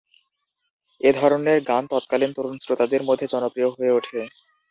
এ ধরনের গান তৎকালীন তরুণ শ্রোতাদের মধ্যে জনপ্রিয় হয়ে ওঠে।